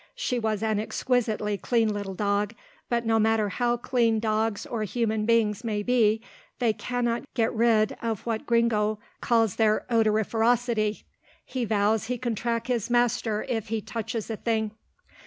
She was an exquisitely clean little dog, but no matter how clean dogs or human beings may be, they cannot get rid of what Gringo calls their odoriferosity. He vows he can track his master if he touches a thing.